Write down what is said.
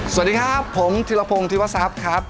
สวัสดีครับผมธิรพงศ์ธิวทรัพย์ครับ